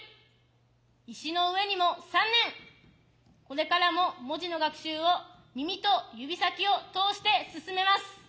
これからも文字の学習を耳と指先を通して進めます。